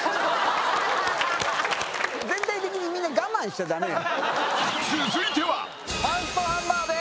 全体的にみんな我慢しちゃダメよ。